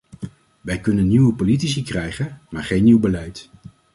Wij kunnen nieuwe politici krijgen, maar geen nieuw beleid.